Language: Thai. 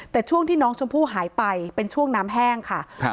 แต่ช่วงที่น้องชมพู่หายไปเป็นช่วงน้ำแห้งค่ะครับ